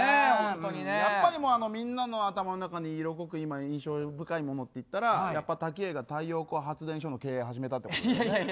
やっぱりみんなの頭の中に色濃く印象深いものといったらやっぱり瀧上が太陽光発電所の経営を始めたと。